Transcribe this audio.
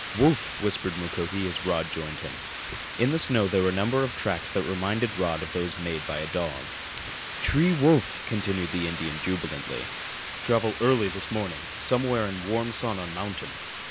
"Wolf!" whispered Mukoki as Rod joined him. In the snow were a number of tracks that reminded Rod of those made by a dog. "T'ree wolf!" continued the Indian jubilantly. "Travel early this morning. Somewhere in warm sun on mountain!"